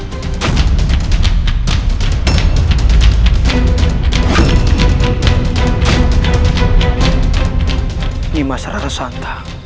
ini masalah resanta